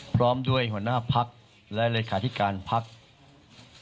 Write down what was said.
พร้อมด้วยหัวหน้าภักดิ์และรายการที่การภักดิ์